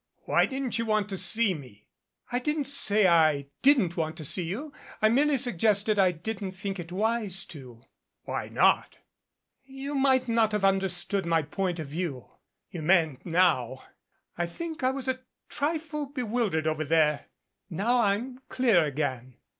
"Why didn't you want to see me ?" "I didn't say I didn't want to see you. I merely sug gested that I didn't think it wise to." "Why not?" "You might not have understood my point of view. You mayn't now. I think I was a trifle bewildered over there. Now I'm clear again."